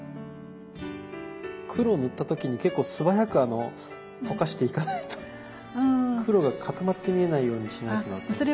黒塗った時に結構素早く溶かしていかないと黒が固まって見えないようにしないとなと。